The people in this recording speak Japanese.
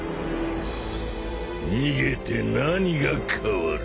逃げて何が変わる？